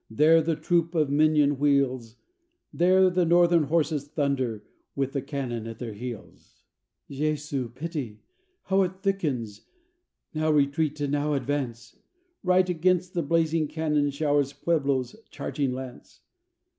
there the troop of Minon wheels, There the Northern horses thunder, with the cannon at their heels. "Jesu, pity! how it thickens! Now retreat and now advance! Right against the blazing cannon showers Pueblo's charging lance!